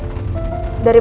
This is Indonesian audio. dari brand ambrisado maharatu